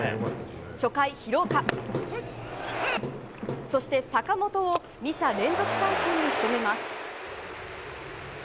初回、廣岡、そして坂本を２者連続三振に仕留めます。